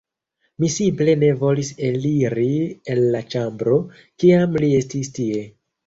Mi simple ne volis eliri el la ĉambro, kiam li estis tie.